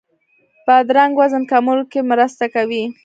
بادرنګ وزن کمولو کې مرسته کوي.